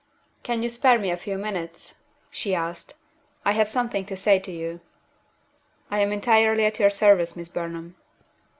"Can you spare me a few minutes?" she asked. "I have something to say to you." "I am entirely at your service, Miss Burnham."